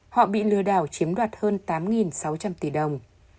họ bị lừa đảo chiếm đoạt hơn tám sáu trăm linh tỷ đồng